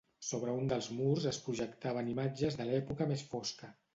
Sobre un dels murs es projectaven imatges de l’època més fosca.